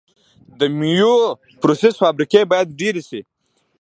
د میوو پروسس فابریکې باید ډیرې شي.